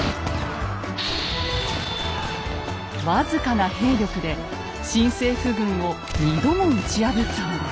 僅かな兵力で新政府軍を２度も打ち破ったのです。